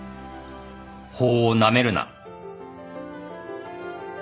法をなめるな。